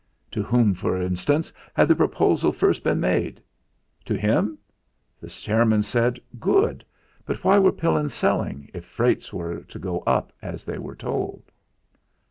To whom, for instance, had the proposal first been made? To him! the chairman said. Good! But why were Pillins selling, if freights were to go up, as they were told?